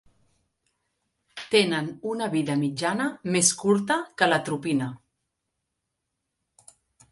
Tenen una vida mitjana més curta que l'atropina.